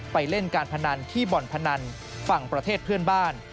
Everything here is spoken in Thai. ไปเล่นการพนันที่บ่อนพนันฝั่งประเทศเพื่อนบ้าน